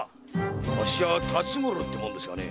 あっしは辰五郎って者ですがね。